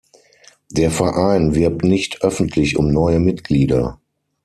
Der Verein wirbt nicht öffentlich um neue Mitglieder.